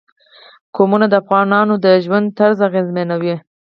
قومونه د افغانانو د ژوند طرز اغېزمنوي.